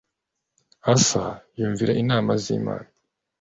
asa yumvira inama z’imana